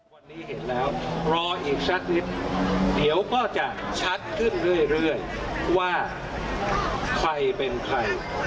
วันนี้เห็นแล้วรออีกสักนิดเดี๋ยวก็จะชัดขึ้นเรื่อยว่าใครเป็นใคร